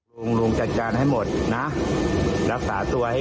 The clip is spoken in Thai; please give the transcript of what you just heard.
เพื่อว่าวันข้างหน้าเราต้องเลี้ยงลูกอีกหลายคนใช่ไหม